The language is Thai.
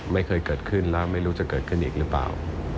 ไม่เคยเกิดขึ้นแล้วไม่รู้จะเกิดขึ้นอีกหรือเปล่า